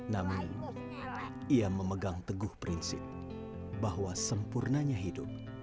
namun ia memegang teguh prinsip bahwa sempurnanya hidup